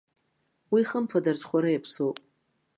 Уи хымԥада арҽхәара иаԥсоуп.